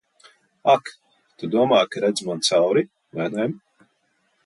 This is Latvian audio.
Ak, tu domā, ka redzi man cauri, vai ne?